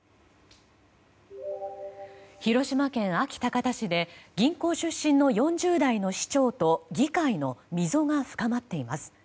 広島県安芸高田市で銀行出身の４０代の市長と議会の溝が深まっています。